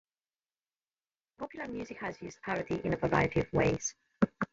Popular music has used parody in a variety of ways.